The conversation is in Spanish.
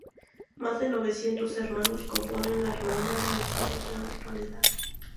Más de novecientos hermanos componen la Hermandad del Silencio en la actualidad.